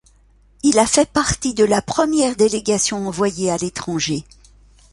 Il a fait partie de la première délégation envoyée à l'étranger.